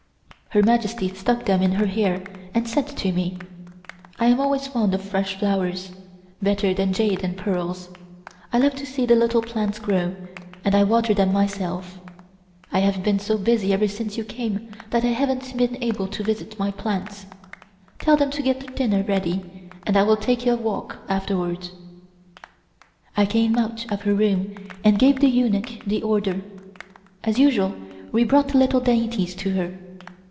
Her Majesty stuck them in her hair and said to me: "I am always fond of fresh flowers better than jade and pearls. I love to see the little plants grow, and I water them myself. I have been so busy ever since you came that I haven't been able to visit my plants. Tell them to get the dinner ready and I will take a walk afterwards." I came out of her room and gave the eunuch the order. As usual we brought little dainties to her.